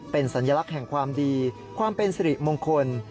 เป็นสัญลักษณ์แห่งความดีความเป็นสิริมงคล